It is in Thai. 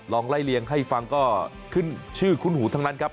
ลองไล่เลียงให้ฟังก็ขึ้นชื่อคุ้นหูทั้งนั้นครับ